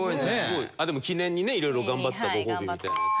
でも記念にね色々頑張ったご褒美みたいな。